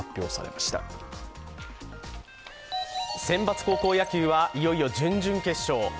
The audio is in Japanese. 選抜高校野球はいよいよ準々決勝。